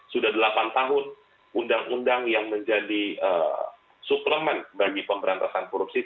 sudah delapan tahun undang undang yang menjadi suplemen bagi pemberantasan korupsi